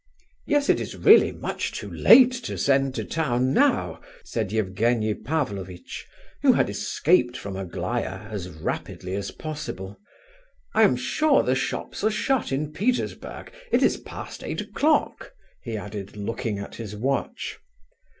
"Yes, it is really much too late to send to town now," said Evgenie Pavlovitch, who had escaped from Aglaya as rapidly as possible. "I am sure the shops are shut in Petersburg; it is past eight o'clock," he added, looking at his watch.